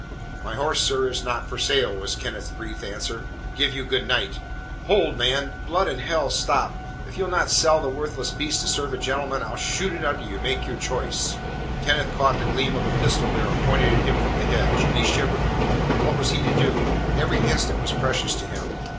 "My horse, sir, is not for sale," was Kenneth's brief answer. "Give you good night." "Hold, man! Blood and hell, stop! If you'll not sell the worthless beast to serve a gentleman, I'll shoot it under you. Make your choice." Kenneth caught the gleam of a pistol barrel pointed at him from the hedge, and he shivered. What was he to do? Every instant was precious to him.